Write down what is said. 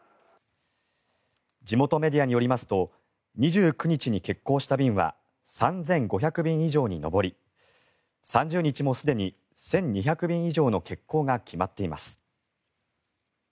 地元メディアによりますと２９日に欠航した便は３５００便以上に上り３０日もすでに１２００便以上の欠航が決まっています。